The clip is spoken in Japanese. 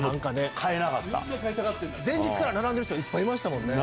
前日から並んでる人いっぱいいましたもんね。